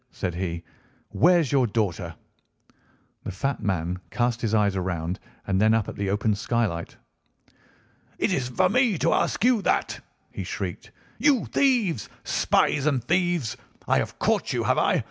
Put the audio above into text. said he, "where's your daughter?" The fat man cast his eyes round, and then up at the open skylight. "It is for me to ask you that," he shrieked, "you thieves! Spies and thieves! I have caught you, have I?